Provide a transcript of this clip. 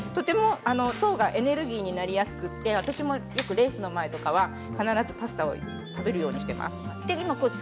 糖がエネルギーになりやすくて私もレースの前は必ずパスタを食べるようにしています。